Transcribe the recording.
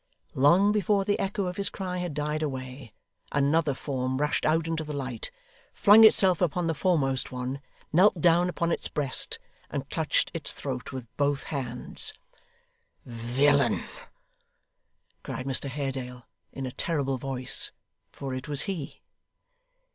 Long before the echo of his cry had died away, another form rushed out into the light, flung itself upon the foremost one, knelt down upon its breast, and clutched its throat with both hands. 'Villain!' cried Mr Haredale, in a terrible voice for it was he.